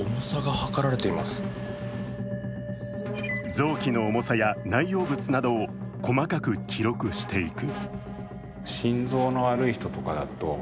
臓器の重さや内容物などを細かく記録していく。